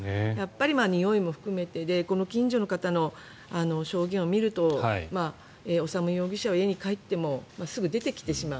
においも含めてで近所の方の証言を見ると修容疑者は家に帰ってもすぐに出てきてしまう。